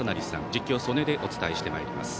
実況、曽根でお伝えしてまいります。